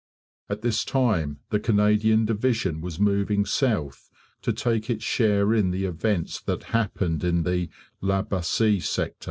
At this time the Canadian division was moving south to take its share in the events that happened in the La Bassee sector.